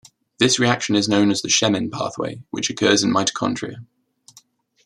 This reaction is known as the Shemin pathway, which occurs in mitochondria.